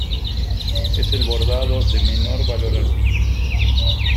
Es el bordado de menor valor artístico.